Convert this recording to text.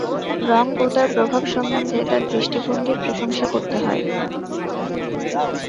রঙ ও তার প্রভাব সম্বন্ধে তাঁর দৃষ্টিভঙ্গির প্রশংসা করতে হয়।